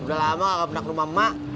udah lama gak pernah ke rumah emak emak